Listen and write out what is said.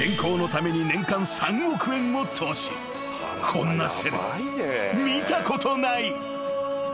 ［こんなセレブ見たことない］